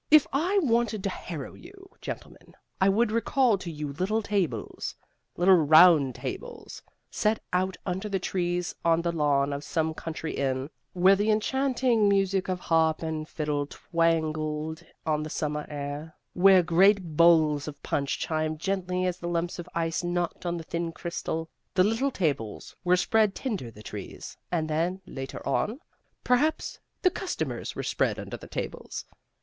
If I wanted to harrow you, gentlemen, I would recall to you little tables, little round tables, set out under the trees on the lawn of some country inn, where the enchanting music of harp and fiddle twangled on the summer air, where great bowls of punch chimed gently as the lumps of ice knocked on the thin crystal. The little tables were spread tinder the trees, and then, later on, perhaps, the customers were spread under the tables.